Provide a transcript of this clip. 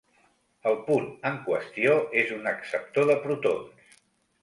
El punt en qüestió és un acceptor de protons.